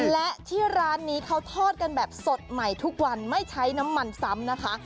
และที่ร้านนี้เขาทอดกันแบบสดใหม่ทุกวันไม่ใช้น้ำมันซ้ำนะคะ